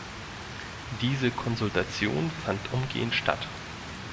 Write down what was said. Diese Konsultation fand umgehend statt.